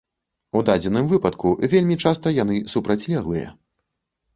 У дадзеным выпадку вельмі часта яны супрацьлеглыя.